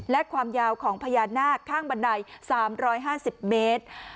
และความยาวของพญานาคข้างบันได๓๕๐เมตร